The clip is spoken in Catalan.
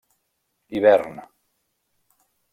Hivern: